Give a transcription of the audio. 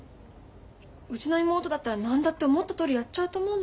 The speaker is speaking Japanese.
うちの妹だったら何だって思ったとおりやっちゃうと思うの。